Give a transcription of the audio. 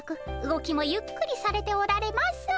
動きもゆっくりされておられます。